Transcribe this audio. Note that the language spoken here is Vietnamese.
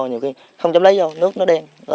nhiều khi không chấm lấy vô nước nó đen